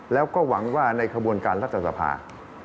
แล้วก็หวังว่าในขบวนการรัฐสภา